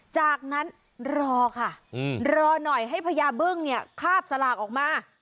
จากนั้นรอค่ะรอหน่อยให้พญาบึ้งเนี่ยคาบสลากออกมา